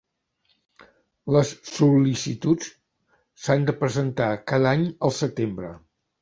Les sol·licituds s'han de presentar cada any al setembre